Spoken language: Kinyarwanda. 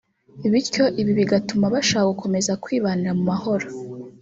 bityo ibi bigatuma bashaka gukomeza kwibanira mu mahoro